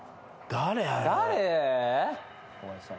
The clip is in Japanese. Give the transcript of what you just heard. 誰？